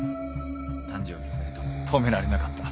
誕生日おめでとう止められなかった。